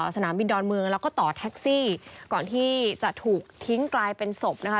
สนามบินดอนเมืองแล้วก็ต่อแท็กซี่ก่อนที่จะถูกทิ้งกลายเป็นศพนะคะ